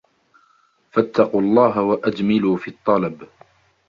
فَاتَّقُوا اللَّهَ وَأَجْمِلُوا فِي الطَّلَبِ